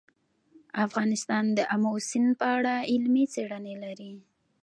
افغانستان د آمو سیند په اړه علمي څېړنې لري.